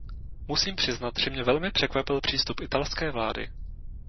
Musím přiznat, že mě velmi překvapil přístup italské vlády.